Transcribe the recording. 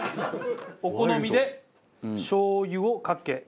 お好みでしょう油をかけ。